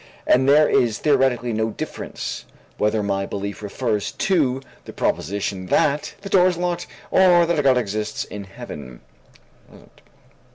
And there is theoretically no difference whether my belief refers to the proposition that the door is locked or that a God exists in Heaven.